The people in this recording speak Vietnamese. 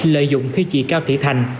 lợi dụng khi chỉ cao thị thành